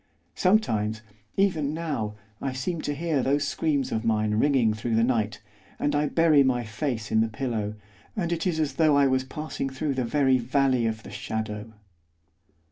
Sometimes, even now, I seem to hear those screams of mine ringing through the night, and I bury my face in the pillow, and it is as though I was passing through the very Valley of the Shadow.